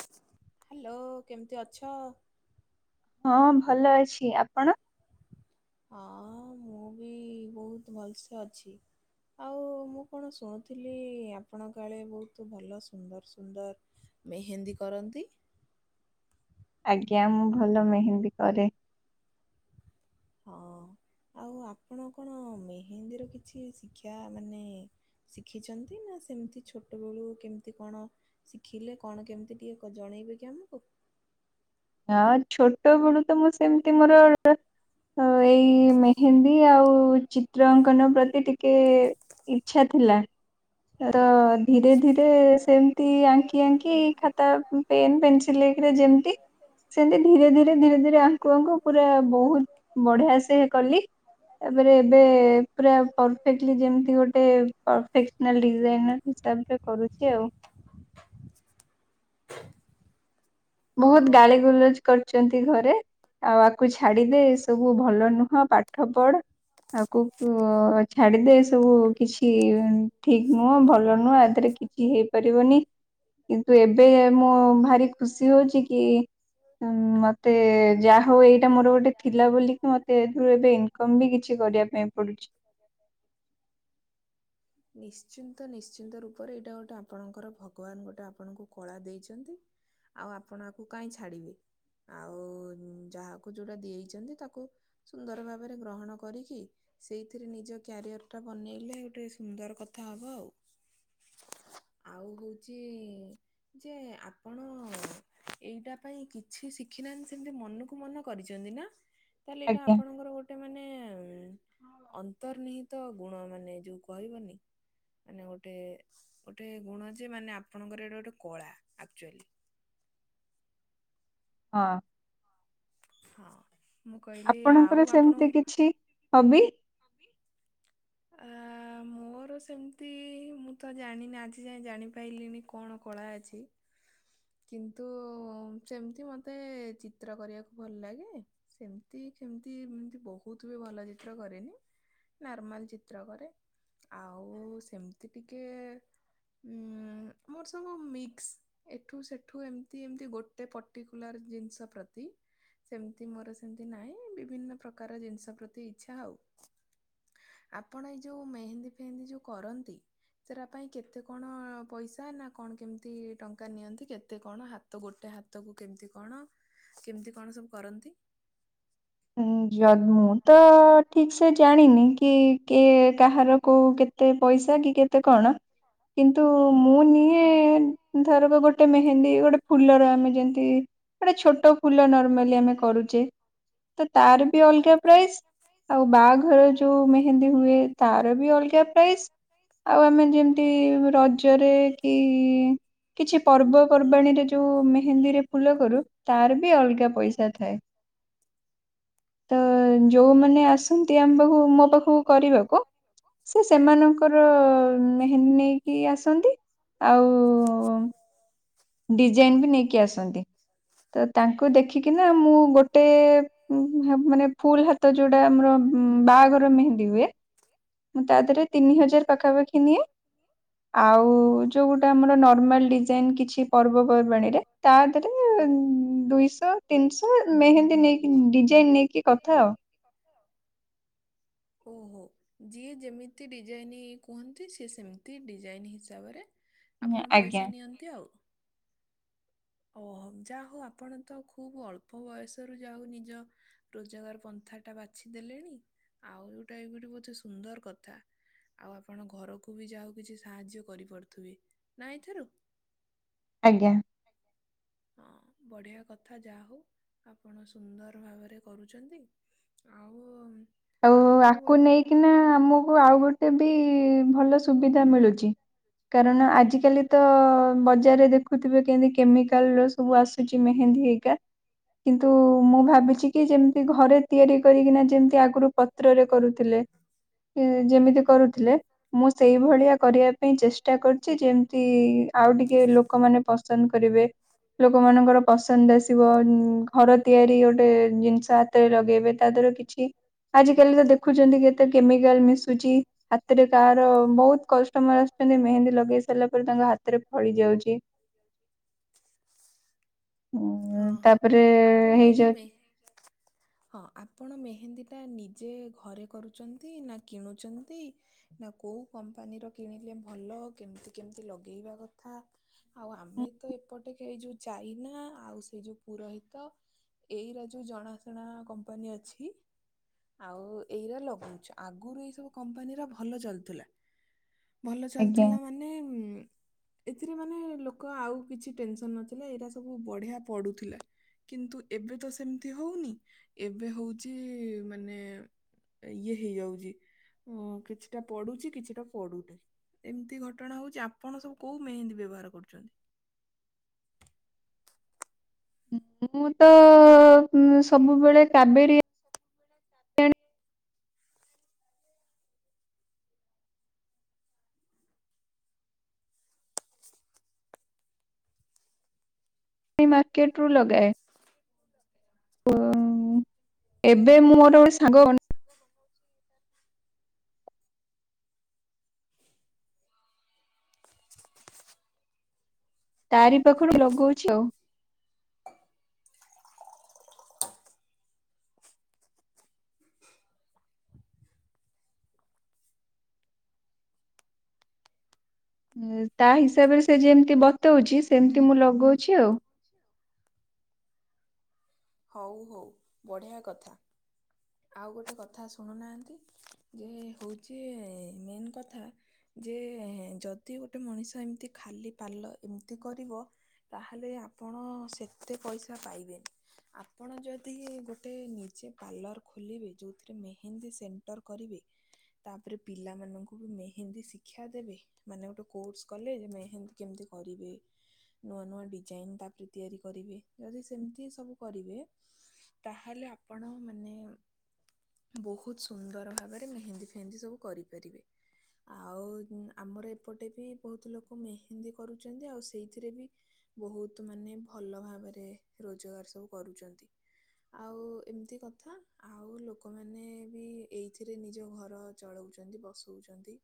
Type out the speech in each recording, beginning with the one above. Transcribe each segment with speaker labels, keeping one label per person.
Speaker 1: Hello କେମିତି ଅଛ?
Speaker 2: ହଁ ଭଲ ଅଛି ଆପଣ?
Speaker 1: ହଁ ମୁଁ ବି ବହୁତ୍ ଭଲସେ ଅଛି। ଆଉ ମୁଁ କଣ ଶୁଣୁଥିଲି ଆପଣ କାଳେ ବହୁତ୍ ଭଲ ସୁନ୍ଦର ସୁନ୍ଦର ମେହେନ୍ଦୀ କରନ୍ତି?
Speaker 2: ଆଜ୍ଞା ମୁଁ ଭଲ ମେହେନ୍ଦୀ କରେ।
Speaker 1: ହଁ ଆଉ ଆପଣ କଣ ମେହେନ୍ଦୀର କିଛି ଶିକ୍ଷା ମାନେ ଶିଖିଛନ୍ତି ନା ସେମିତି ଛୋଟବେଳୁ କେମିତି କଣ ଶିଖିଲେ କଣ କେମିତି ଟିକେ କଣ ଜଣେଇବେ କି ଆମକୁ?
Speaker 2: ହଁ ଛୋଟ ବେଳୁ ତ ମୁଁ ସେମିତି ମୋର ହ ଏଇ ମେହେନ୍ଦୀ ଆଉ ଚି୍ ଚିତ୍ର ଅଙ୍କନ ପ୍ରତି ଟିକେ ଇଛା ଥିଲା ର ଧୀରେ ଧୀରେ ସେମିତି ଆଙ୍କି ଆଙ୍କି ଖାତା ପେନ୍ ପେନସିଲ୍ ହେକରେ ଯେମିତି ସେମତି ଧୀରେ ଧୀରେ ଧୀରେ ଧୀରେ ଆଙ୍କୁ ଆଙ୍କୁ ପୁରା ବହୁତ୍ ବଢିଆ ସେ କଲି ତାପରେ ଏବେ ପୁରା ପରଫେକ୍ଟଲି ଯେମିତି ଗୋଟେ ପରଫେକ୍ସନାଲ୍ ଡିଜାଇନ୍ ର ହିସାବ କରୁଛି ଆଉ। ବହୁତ୍ ଗାଳି
Speaker 1: ଓହୋ।
Speaker 2: ଗୁଲଜ୍ କରିଛନ୍ତି ଘରେ ଆଉ ଆକୁ ଛାଡିଦେଏ ସବୁ ଭଲ ନୁହଁ ପାଠ ପଢ। ଆକୁ ଛାଡିଦେ ସବୁ କିଛି ଠିକ୍ ନୁହଁ ଭଲ ନୁହଁ ଆ ଦେରେ କିଛି ହେଇପାରିବନି କିନ୍ତୁ ଏବେ ମୁଁ ଭାରି ଖୁସି। ହଉଛି କି ମତେ ଯାହା ହଉ ଏଇଟା ମୋର ଗୋଟେ ଥିଲା ବୋଲିକି ମତେ ସେଥିରୁ ଏତେ ଇନକମ୍ ବି କିଛି କରିବା ପାଇଁ ପଡୁଛି।
Speaker 1: ନିଶ୍ଚିନ୍ତ ନିଶ୍ଚିନ୍ତ ରୂପରେ ଏଇଟା ଗୋଟେ ଆପଣଙ୍କର ଭଗବାନ ଗୋଟେ ଆପଣଙ୍କୁ କଳା ଦେଇଛନ୍ତି। ଆଉ ଆପଣ ଆକୁ କାଇଁ ଛାଡ଼ିବେ? ଆଉ ଯାହାକୁ ଯୋଉଟା ଦେଇଛନ୍ତି ତାକୁ ସୁନ୍ଦର ଭାବରେ ଗ୍ରହଣ କରିକି ସେଇଥିରେ ନିଜ କ୍ୟାରିଅର ଟା ବନେଇଲେ ଗୋଟେ ସୁନ୍ଦର କଥା ହବ ଆଉ ଆଉ ହଉଛି ଯେ ଆପଣ ଏଇଟା ପାଇଁ କିଛି ଶିଖିନାହାନ୍ତି ସେମତି ମନକୁ ମନ କରିଛନ୍ତି ନା? ତାହେଲେ ଏଇଟା
Speaker 2: ଆଜ୍ଞା
Speaker 1: ଆପଣଙ୍କର ଗୋଟେ ମାନେ ଅନ୍ତର୍ନିହିତ ଗୁଣ ମାନେ ଯୋଉ କହିବନି ମାନେ ଗୋଟେ ଗୋଟେ ଗୁଣ ଯେ ମାନେ ଆପଣଙ୍କର ଏଇଟା ଗୋଟେ କଳା ଆକ୍ଚୁଆଲି।
Speaker 2: ହଁ।
Speaker 1: ହଁ ମୁଁ କହିଲି
Speaker 2: ଆପଣଙ୍କର
Speaker 1: ଆଉ
Speaker 2: ସେମିତି
Speaker 1: ଆପଣଙ୍କୁ
Speaker 2: କିଛି ହବି
Speaker 1: ହବି ଆମ ମୋର ସେମିତି ମୁଁ ତ ଜାଣିନି ଆଜି ଯାଏ ଜାଣିପାଇଲିନି କଣ କଳା ଅଛି କିନ୍ତୁ ସେମିତି ମତେ ଚିତ୍ର କରିବାକୁ ଭଲ୍ ଲାଗେ। ସେମିତି କେମିତି ଏମତି ବହୁତ୍ ବି ଭଲ ଚିତ୍ର କରେନି। ନର୍ମାଲ ଚିତ୍ର କରେ ଆଉ ସେମିତି ଟିକେ ଉଁ ମୋର ସବୁ ମିକ୍ସ ଏଠୁ ସେଠୁ ଏମତି ଏମତି ଗୋଟେ ପର୍ଟିକୁଲାର ଜିନିଷ ପ୍ରତି ସେମିତି ମୋର ସେମତି ନାଇଁ ବିଭିନ୍ନ ପ୍ରକାର ଜିନିଷ ପ୍ରତି ଇଚ୍ଛା ଆଉ। ଆପଣ ଏଇ ଯୋଉ ମେହେନ୍ଦୀ ଫେହେନ୍ଦୀ ଯୋଉ କରନ୍ତି ସେରା ପାଇଁ କେତେ କଣ ପଇସା ନା କଣ କେମିତି ଟଙ୍କା ନିଅନ୍ତି? କେତେ କଣ ହାତ ଗୋଟେ ହାତ କୁ କେମିତି କଣ କେମତି କଣ ସବୁ କରନ୍ତି?
Speaker 2: ହୁଁ ଯ ମୁଁ ତ ଠିକ୍ ସେ ଜାଣିନି କି କିଏ କାହାର କୋଉ କେତେ ପଇସା କି କେତେ କଣ କିନ୍ତୁ ମୁଁ ନିଏ ଧରକ ଗୋଟେ ମେହେନ୍ଦୀ ଗୋଟେ ଫୁଲର ଆମେ ଯେମତି ଗୋଟେ ଛୋଟ ଫୁଲ ନର୍ମାଲି ଆମେ କରୁଚେ ତ ତାର ବି ଅଲଗା ପ୍ରାଇସ୍ ଆଉ ବାହାଘରରେ ଯୋଉ ମେହେନ୍ଦୀ ହୁଏ ତାର ବି ଅଲଗା ପ୍ରାଇସ୍। ଆଉ ଆମେ ଯେମିତି ରଜରେ କି କିଛି ପର୍ବପର୍ବାଣୀରେ ଯୋଉ ମେହେନ୍ଦୀରେ ଫୁଲ କରୁ ତାର ବି ଅଲଗା ପଇସା ଥାଏ। ତ ଯୋଉମାନେ ଆସନ୍ତି ଆମ ପାଖକୁ ମୋ ପାଖକୁ କରିବାକୁ ସେ ସେମାନଙ୍କ କର ମେହେନ୍ଦୀ ନେଇକି ଆସନ୍ତି ଆଉ ଡିଜାଇନ୍ ବି ନେଇକି ଆସନ୍ତି ତ ତାଙ୍କୁ ଦେଖିକିନା ମୁଁ ଗୋ ଟେ ହା ମାନେ ଫୁଲ୍ ହାତ ଯୋଉଟା ଆମର ବାହାଘର ମେହେନ୍ଦି ହୁଏ ମୁଁ ତା ଧେରେ ତିନି ହଜାର ପାଖାପାଖି ନିଏ। ଆଉ ଯୋଉ ଗୋଟା ଆମର ନର୍ମାଲ୍ ଡିଜାଇନ୍ କିଛି ପର୍ବପର୍ବାଣୀରେ ତା ଦେହରେ ଦୁଇଶହ ତିନିଶହ ମେହେନ୍ଦୀ ନେଇକି ଡିଜାଇନ୍ ନେଇକି କଥା ଆଉ।
Speaker 1: କଥା ଆଉ ଓହୋ ଯିଏ ଯେମି ତି ଡିଜାଇନ୍ କୁହନ୍ତି ସିଏ ସେମିତି ଡିଜାଇନ୍ ହିସାବରେ ଆପଣ
Speaker 2: ଆଜ୍ଞା
Speaker 1: ପଇସା ନିଅନ୍ତି ତି ଆଉ। ଓ ହୋ ଯା ହଉ ଆପଣ ତ ଖୁବ୍ ଅଳ୍ପ ବୟସରୁ ଯା ହଉ ନିଜ ରୋଜଗାର ପନ୍ଥା ଟା ବାଛି ଦେଲେଣି ଆଉ ଏଉଟା ଏ ଗୋଟେ କହୁଛି ସୁନ୍ଦର୍ କଥା। ଆଉ ଆପଣ ଘରକୁ ବି ଯାହଉ କିଛି ସାହାଯ୍ୟ କରିପାରୁଥିବେ ନା ଏଥିରୁ?
Speaker 2: ଆଜ୍ଞା।
Speaker 1: ହଁ ବଢିଆ କଥା ଯାହା ହଉ ଆପଣ ସୁନ୍ଦର ଭାବରେ କରୁଚନ୍ତି। ଆଉ
Speaker 2: ଆଉ ଆକୁ
Speaker 1: ଗୋଟ-
Speaker 2: ନେଇକିନା ଆମକୁ ଆଉ ଗୋଟେ ବି ଭଲ ସୁବିଧା ମିଳୁଚି। କାରଣ ଆଜିକାଲି ତ ବଜାରରେ ଦେଖୁଥିବେ କେମିତି କେମିକାଲ୍ ର ସବୁ ଆସୁଛି ମେହେନ୍ଦୀ ହେଇକା। କିନ୍ତୁ ମୁଁ ଭାବିଛି କି ଯେମିତି ଘରେ ତିଆରି କରିକିନା ଯେମତି ଆଗରୁ ପତ୍ରରେ କରୁଥିଲେ ସେ ଯେମିତି କରୁଥିଲେ ମୁଁ ସେଇଭଳିଆ କରିବା ପାଇଁ ଚେଷ୍ଟା କରୁଛି ଯେମିତି ଆଉ ଟିକେ ଲୋକମାନେ ପ ସନ୍ଦ କରିବେ। ଲୋକମାନାନଙ୍କର ପସନ୍ଦ ଆସିବ ଉ ଘର ତିଆରି ଗୋଟେ ଜିନିଷ ହାତରେ ଲଗେଇବେ ତା ଦ୍ଵାରା କିଛି ଆଜିିକାଲି ତ ଦେଖୁଛନ୍ତି କେତେ କେମିକାଲ୍ ମିଶୁଚି। ସେଥିରେ କାହାର ବହୁତ୍ କଷ୍ଟମର ଆସୁଚନ୍ତି ମେହେନ୍ଦୀ ଲଗେଇ ସାରିଲା ପରେ ତାଙ୍କ ହାତରେ ଫଳି ଯାଉଚି। ଉଁ,
Speaker 1: ହଁ-ହଁ
Speaker 2: ତାପରେ
Speaker 1: ଆପଣ ଏଇ ଯୋଉ ମେ
Speaker 2: ହେଇଯାଉଛି
Speaker 1: ହଁ ଆପଣ ମେହେନ୍ଦୀଟା ନିଜେ ଘରେ କରୁଚନ୍ତି ନା କିଣୁଚନ୍ତି? ନା କୋଉ କମ୍ପାନୀର କିଣିଲେ ଭଲ କେମିତି କେମିତି ଲଗେଇବା କଥା? ଆଉ ଆମେ ତ ଏପଟେ ଏଇ ଯୋଉ ଜାଇନା ଆଉ ସେଇ ଯୋଉ ପୁରୋହିତ ଏଇରା ଯୋଉ ଜଣାଶୁଣା କମ୍ପାନୀ ଅଛି। ଆଉ ଏଇରା ଲଗଉଛୁ ଆଗରୁ ଏଇ ସବୁ କମ୍ପାନୀର ଭଲ ଭଲ ଚାଲୁଥିଲା ଭଲ
Speaker 2: ଆଜ୍ଞା
Speaker 1: ଚାଲୁଥିଲା ମାନେ ଏଥିରେ ମାନେ ଲୋକ ଆଉ କିଛି ଟେନସନ ନଥିଲେ ଏଇଟା ସବୁ ବଢିଆ ପଡୁଥିଲା। କିନ୍ତୁ ଏବେ ତ ସେମିତି ହଉନି ଏବେ ହଉଚି ମାନେ ଇଏ ହେଇଯାଉଛି କିଛି ହଁ କିଛି କିଛିଟା ପଡୁଛି କିଛିଟା ପଡୁନାହିଁ ଏମିତି ଘଟଣା ହଉଛି ଆପଣ ସବୁ କୋଉ ମେହେନ୍ଦୀ ବ୍ୟବହାର କରୁଛନ୍ତି?
Speaker 2: ମୁଁ ତ ସବୁବେଳେ କାବେରୀ
Speaker 1: କାବେରୀ
Speaker 2: ମାର୍କେଟ ରୁ ଲଗାଏ। ଓ ଏବେ ମୁଁ ମୋର ସାଙ୍ଗ
Speaker 1: [unintelligible]
Speaker 2: ତାରି ପାଖରୁ ଲଗଉଛି ଆଉ ତା ହିସାବରେ ସେ ଯେମତି ବତଉଛି ସେମତି ମୁଁ ଲଗଉଛି ଆଉ।
Speaker 1: ହଉ ହଉ ବଢ଼ିଆ କଥା। ଆଉ ଗୋଟେ କଥା ଶୁଣୁନାହାନ୍ତି ଯେ ହଉଛି ମେନ୍ କଥା ଯେ ଯଦି ଗୋଟେ ମଣିଷ ଏମିତି ଖାଲି ପାଲ ଏମିତି କରିବ। ତାହେଲେ ଆପଣ ସେଥିରେ ପଇସା ପାଇବେନି। ଆପଣ ଯଦି ଗୋଟେ ନିଜେ ପାର୍ଲର ଖୋଲିବେ ଯଉଥିରେ ମେହେନ୍ଦୀ ସେଣ୍ଟର କରିବେ। ତାପରେ ପିଲାମାନଙ୍କୁ ବି ମେହେନ୍ଦୀ ଶିକ୍ଷା ଦେବେ। ମାନେ ଗୋଟେ କୋର୍ସ କଲେ ଯେ ମେହେନ୍ଦି କେମିତି କରିବେ? ନୂଆ ନୂଆ ଡିଜାଇନ ତାପରେ ତିଆରି କରିବେ ଯଦି ସେମିତି ସବୁ କରିବେ। ତାହେଲେ ଆପଣ ମାନେ ବହୁତ ସୁନ୍ଦର ଭାବରେ ମେହେନ୍ଦି ଫେହେନ୍ଦି ସବୁ କରିପାରିବେ। ଆଉ ଆମର ଏପଟେ ବି ବହୁତ ଲୋକ ମେହେନ୍ଦୀ କରୁଛନ୍ତି ଆଉ ସେଇଥିରେ ବି ବହୁତ ମାନେ ଭଲ ଭାବରେ ରୋଜଗାର ସବୁ କରୁଛନ୍ତି। ଆଉ ଏମିତି କଥା। ଆଉ ଲୋକମାନେ ବି ଏଇଥିରେ ନିଜ ଘର ଚଳଉଛନ୍ତି ବସଉଛନ୍ତି।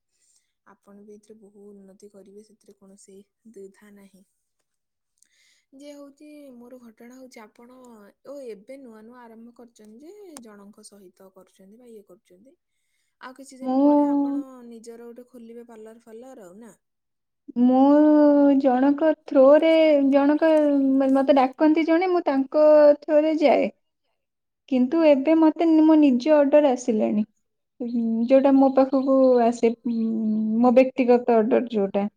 Speaker 1: ଆପଣ ବି ଏଥିରେ ବହୁ ଉନ୍ନତି କରିବେ ସେଥିରେ କୌଣସି ଦ୍ୱିଧା ନାହିଁ। [unintelligible] ଯେ ହଉଛି ମୋର ଘଟଣା ହଉଛି ଆପଣ ଓ ଏବେ ନୂଆ ନୂଆ ଆରମ୍ଭ କରିଛନ୍ତି ଯେ ଜଣଙ୍କ ସହିତ କରୁଛନ୍ତି ବା ଇଏ କରୁଛନ୍ତି। ଆଉ କିଛି ଦିନ
Speaker 2: ମୁଁ
Speaker 1: ପରେ ଆପଣ ନିଜର ଗୋଟେ ଖୋଲିବେ ପାର୍ଲର ଫାର୍ଲର ଆଉ ନା
Speaker 2: ମୁଁ ଜଣଙ୍କ ଥ୍ରୋ ରେ ଜଣ ମତେ ଡାକନ୍ତି ଜଣେ ମୁଁ ତାଙ୍କ ଥ୍ରୋରେ ଯାଏ। କିନ୍ତୁ ଏବେ ମୋତେ ମୋ ନିଜ ଅର୍ଡର ଆସିଲେଣି। ଯୋଉଟା ମୋ ପାଖକୁ ଆସେ ମୋ ବ୍ୟକ୍ତିଗତ ଅର୍ଡର ଯୋଉଟା।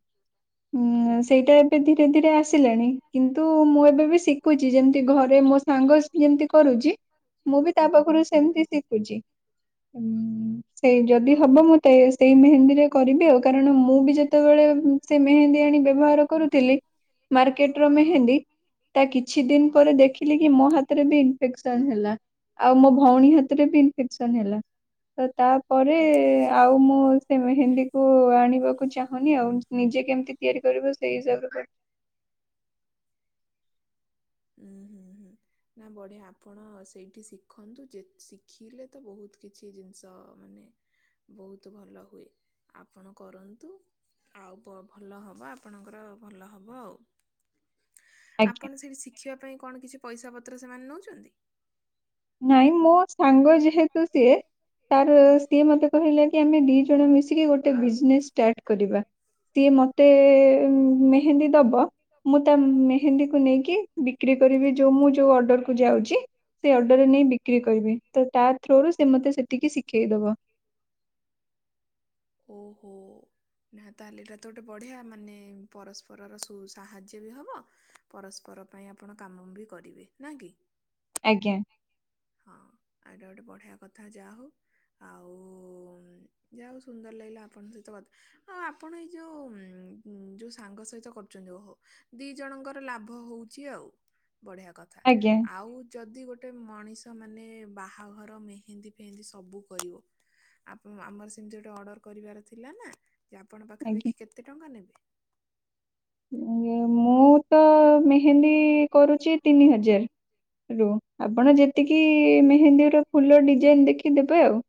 Speaker 1: ହୁଁ।
Speaker 2: ଉଁ ସେଇଟା ଏବେ ଧୀରେ ଧୀରେ ଆସିଲାଣି କିନ୍ତୁ ମୁଁ ଏବେ ବି ଶିଖୁଛି ଯେମିତି ଘରେ ମୋ ସାଙ୍ଗ ଯେମତି କରୁଛି ମୁଁ ବି ତା ପାଖରୁ ସେମତି ଶିଖୁଛି। ହୁଁ। ସେଇ ଯଦି
Speaker 1: ହଁ।
Speaker 2: ହବ ମତେ ସେଇ ମେହେନ୍ଦୀରେ କରିବି ଆଉ କାରଣ ମୁଁ ବି ଯେତେବେଳେ ସେ ମେହେନ୍ଦୀ କିଣୀ ଆଣୀ ବ୍ୟବହାର କରୁଥିଲି ମାର୍କେଟ ର ମେହେନ୍ଦୀ ତା କିଛି ଦିନ ପରେ ଦେଖିଲି କି ମୋ ହାତରେ ବି ଇନ୍ଫେକ୍ସନ୍ ହେଲା ଆଉ ମୋ ଭଉଣୀ ହାତ ହାତରେ ବି ଇନ୍ଫେକ୍ସନ୍ ହେଲା ତ ତା ପରେ ଆଉ ମୁଁ ସେ ମେହେନ୍ଦି କୁ ଆଣିବାକୁ ଚାହୁଁନି ଆଉ। ନିଜେ କେମିତି ତିଆରି କରିବ ସେଇ ହିସାବରେ କ
Speaker 1: ଉଁ ହୁଁ ହୁଁ ହୁଁ। ନା ବଢିଆ ଆପଣ ସେଇଠି ଶିଖନ୍ତୁ ଯେତ୍ ଶିଖିଲେ ତ ବହୁତ କିଛି ଜିନିଷ ମାନେ ବହୁତ ଭଲ ହୁଏ ଆପଣ କରନ୍ତୁ। ଆଉ ପ ଭଲ ହେବ ଆପଣଙ୍କର ଭଲ ହେବ ଆଉ।
Speaker 2: ଆଜ୍ଞା
Speaker 1: ଆପଣ ସେଇଠି ଶିଖିବା ପାଇଁ କଣ କିଛି ପଇସା ପତ୍ର ସେମାନେ ନେଉଛନ୍ତି?
Speaker 2: ନାଇଁ ମୁଁ ସାଙ୍ଗ ଯେହେତୁ ସିଏ ତାର ସିଏ ମତେ କହିଲେ କି ଆମେ ଦି ଜଣ ମିଶିକି ଗୋଟେ ବିଜନେସ୍ ଟାଇପ୍ କରିବା ସିଏ ମତେ ମେହେନ୍ଦି ଦବ ମୁଁ ତା ମେ ହେନ୍ଦୀ କୁ ନେଇକି ବିକ୍ରି କରିବି ଯୋଉ ମୁଁ ଯୋଉ ଅର୍ଡରକୁୁ ଯାଊଛି। ଅର୍ଡର ରେ ନେଇ ବିକ୍ରି କରିବି ତ ତା ଥ୍ରୁରୁ ସେ ମତେ ସେଠିକି ଶିଖେଇଦବ।
Speaker 1: ଓ ହୋ! ନା ତାହେଲେ ଏଇଟା ତ ଗୋଟେ ବଢ଼ିଆ ମାନେ ପରସ୍ପରର ସୁ ସାହାଯ୍ୟ ବି ହେବ। ପରସ୍ପର ପାଇଁ ଆପଣ କାମ ବି କରିବେ ନା କି?
Speaker 2: ଆଜ୍ଞା।
Speaker 1: ହଁ ଆଉଟା ଗୋଟେ ବଢିଆ କଥା ଯାହା ହଉ। ଆଉ ଉଁ ଯାହା ହଉ ସୁନ୍ଦର ଲାଗିଲା ଆପଣଙ୍କ ସହିତ କଥା ଆଉ ଆପଣ ଏଇ ଯୋଉ ଉଁ ଯୋଉ ସାଙ୍ଗ ସହିତ କରୁଛନ୍ତି ଓହୋ ଦି ଜଣଙ୍କର ଲାଭ ହଉଛି ଆଉ ବଢିଆ କଥା
Speaker 2: ଆଜ୍ଞା
Speaker 1: ଆଉ ଯଦି ଗୋଟେ ମଣିଷ ତ ମାନେେ ବାହାଘର ମେହେନ୍ଦୀ ଫେହେନ୍ଦୀ ସବୁ କରିବ ଆପ ଆମର ସେମିତି ଗୋଟେ ଅର୍ଡର କରିବାର ଥିଲା ନା ଯେ ଆପଣ
Speaker 2: ଆଜ୍ଞା।
Speaker 1: ପାଖାପାଖି କେତେ ଟଙ୍କା ନେବେ?
Speaker 2: ମୁଁ ମୁଁ ତ ମେହେନ୍ଦୀ କରୁଛି ତିନି ହଜାର ରୁ ଆପଣ ଯେତିକି ମେହେନ୍ଦୀ ର ଫୁଲ ଡିଜାଇନ ଦେଖି ଦେବେ ଆଉ।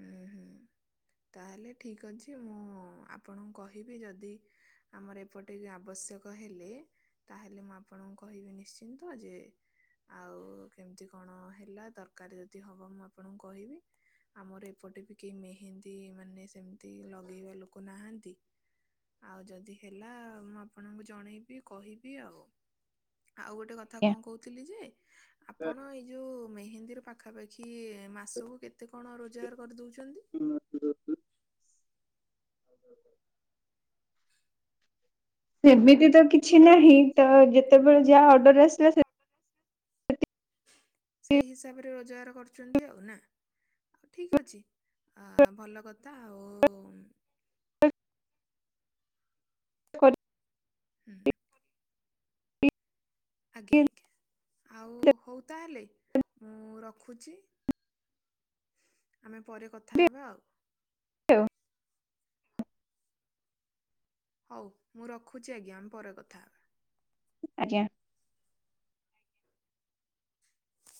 Speaker 1: ହୁଁ ହୁଁ ତାହେଲେ ଠିକ୍ ଅଛି ମୁଁ ଆପଣଙ୍କୁ କହିବି ଯଦି ଆମର ଏପଟିକ ଆବଶ୍ୟକ ହେଲେ ତାହେଲେ ମୁଁ ଆପଣଙ୍କୁ କହିବି ନିଶ୍ଚିନ୍ତ ଯେ ଆଉ କେମିତି କଣ ହେଲା ଦରକାରୀ ଯଦି ହବ ମୁଁ ଆପଣଙ୍କୁ କହିବି। ଆମର ଏପଟେ ବି କେହି ମେହେନ୍ଦୀ ମାନେ ସେମିତି ଲଗେଇବା ଲୋକ ନାହାନ୍ତି। ଆଉ ଯଦି ହେଲା ମୁଁ ଆପଣଙ୍କୁ ଜଣେଇବି କହିବି ଆଉ। ଆଉ ଗୋଟେ କଥା
Speaker 2: ଆଜ୍ଞା।
Speaker 1: କଣ କହୁଥିଲି ଯେ ଆପଣ ଏଇ ଯୋଉ ମେହେନ୍ଦୀରୁ ପାଖାପାଖି ମାସକୁ କେତେ କଣ ରୋଜଗାର କରିଦଉଛନ୍ତି?
Speaker 2: ସେମିତି ତ କିଛି ନାହିଁ ତ ଯେତେବେଳେ ଯାହା ଅର୍ଡର ଆସିଲା ସେତେ
Speaker 1: [inaudible]
Speaker 2: ସେତିକି
Speaker 1: ସେଇ ହିସାବରେ ରୋଜଗାର କରୁଛନ୍ତି ଆଉ ନା? ଆଉ ଠିକ୍ ଅଛି ଆ ଭଲ କଥା ଆଉ ଉଁ
Speaker 2: କର୍
Speaker 1: ହୁଁ
Speaker 2: କରିକି
Speaker 1: ଆଜ୍ଞା, ଆଜ୍ଞା, ଆଉ ହଉ ତାହେଲେ ମୁଁ ରଖୁଛି। ଆମେ ପରେ କଥା
Speaker 2: ଦେବି
Speaker 1: ହେବା ଆଉ।
Speaker 2: [unintelligible]
Speaker 1: ହଉ ମୁଁ ରଖୁଛି ଆଜ୍ଞା। ଆମେ ପରେ କଥା ହେବା।
Speaker 2: ଆଜ୍ଞା।